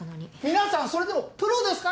皆さんそれでもプロですか